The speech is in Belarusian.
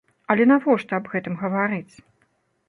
Але навошта аб гэтым гаварыць?